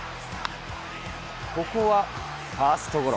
ここはファーストゴロ。